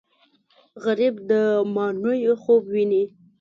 غریب د ماڼیو خوب ویني